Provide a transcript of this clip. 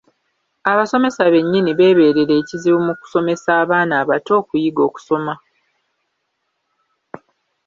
Abasomesa bennyini beebeerera ekizibu mu kusomesa abaana abato okuyiga okusoma.